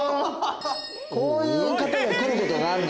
こういう方が来ることがあんの。